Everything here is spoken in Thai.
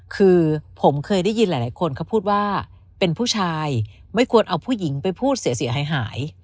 คือผมเคยได้ยินหลายคนเขาพูดว่าเป็นผู้ชายไม่ควรเอาผู้หญิงไปพูดเสียหาย